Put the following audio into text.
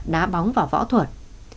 đá bóng và võ thuật